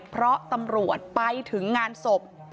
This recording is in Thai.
เพราะตำรวจไปถึงงานศพ